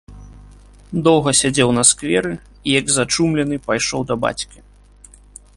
Доўга сядзеў на скверы і, як зачумлены, пайшоў да бацькі.